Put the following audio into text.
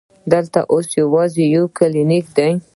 دلته اوس یوازې یو کلینک دی.